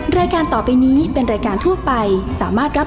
แม่บ้านประจันบรรย์